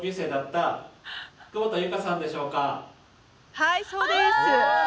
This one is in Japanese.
はいそうです。